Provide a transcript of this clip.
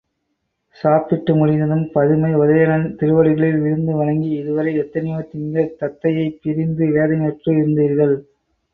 சாப்பிட்டு முடிந்ததும் பதுமை உதயணன் திருவடிகளில் விழுந்து வணங்கி, இதுவரை எத்தனையோ திங்கள் தத்தையைப் பிரிந்து வேதனையுற்று இருந்தீர்கள்!